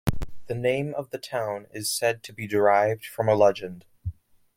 The name of the town is said to be derived from a legend.